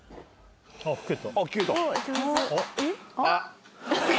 あっ。